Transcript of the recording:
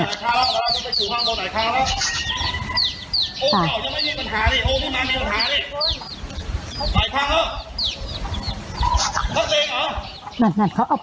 อ้าวจะไปถือห้องเราไหนคะ